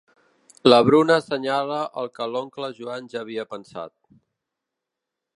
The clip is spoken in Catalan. La Bruna assenyala el que l'oncle Joan ja havia pensat.